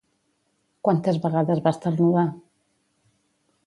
Quantes vegades va esternudar?